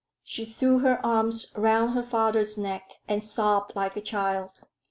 She threw her arms round her father's neck and sobbed like a child.